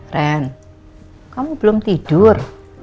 ren kamu belum tidur